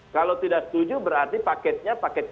kalau tidak setuju berarti paketnya paket